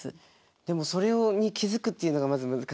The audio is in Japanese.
でもそれを気づくっていうのがまず難しいんだろうな。